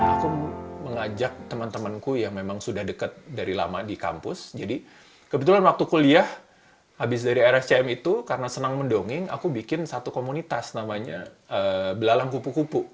aku mengajak teman temanku yang memang sudah dekat dari lama di kampus jadi kebetulan waktu kuliah habis dari rscm itu karena senang mendongeng aku bikin satu komunitas namanya belalang kupu kupu